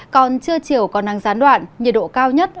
còn chưa chiều còn nắng gián đoạn nhiệt độ cao nhất